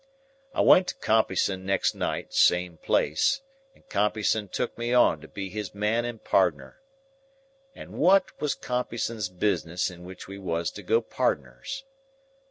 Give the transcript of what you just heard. "I went to Compeyson next night, same place, and Compeyson took me on to be his man and pardner. And what was Compeyson's business in which we was to go pardners?